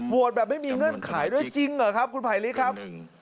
แบบไม่มีเงื่อนไขด้วยจริงเหรอครับคุณภัยลิกครับ